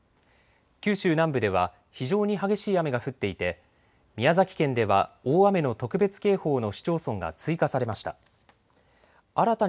九州南部では非常に激しい雨が降っていて宮崎県では大雨の特別警報の市町村が追加されました。